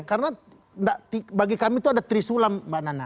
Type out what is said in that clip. karena bagi kami itu ada trisulam mbak nana